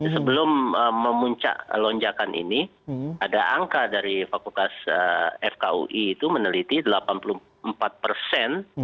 sebelum memuncak lonjakan ini ada angka dari fakultas fkui itu meneliti delapan puluh empat persen